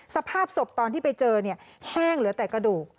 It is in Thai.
สภาพศพตอนที่ไปเจอเนี่ยแห้งเหลือแต่กระดูก